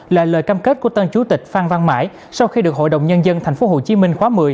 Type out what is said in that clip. là lời cam kết của tân chủ tịch phan văn mãi sau khi được hội đồng nhân dân tp hcm khóa một mươi